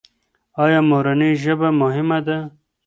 ایا مورنۍ ژبه مهمه ده؟